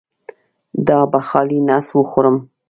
دا په خالي نس وخورم؟